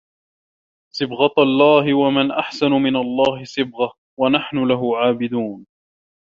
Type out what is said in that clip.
صِبْغَةَ اللَّهِ ۖ وَمَنْ أَحْسَنُ مِنَ اللَّهِ صِبْغَةً ۖ وَنَحْنُ لَهُ عَابِدُونَ